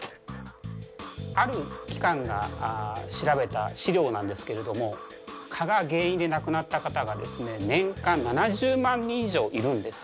ある機関が調べた資料なんですけれども蚊が原因で亡くなった方がですね年間７０万人以上いるんです。